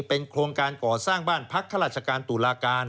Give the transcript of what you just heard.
เป็นโครงการก่อสร้างบ้านพักข้าราชการตุลาการ